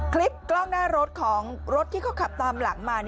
คลิปกล้องหน้ารถของรถที่เขาขับตามหลังมา